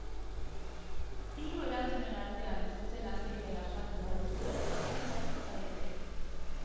Hiru erantzunen artean zuzena zein den asmatzen baduzue, zozketan sartuko zarete!